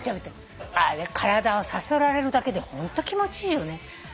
あれ体をさすられるだけでホント気持ちいいよね。